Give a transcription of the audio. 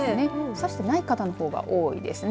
差していない方の方が多いですね。